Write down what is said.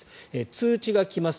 通知が来ます。